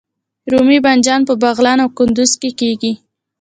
رومي بانجان په بغلان او کندز کې کیږي